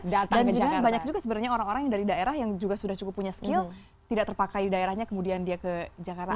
dan juga banyak juga sebenarnya orang orang dari daerah yang juga sudah cukup punya skill tidak terpakai daerahnya kemudian dia ke jakarta